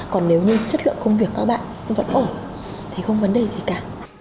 còn nếu như chất lượng công việc các bạn vẫn ổn thì không vấn đề gì cả